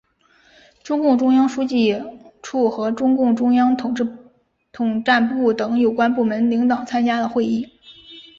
中共中央书记处和中共中央统战部等有关部门领导参加了会议。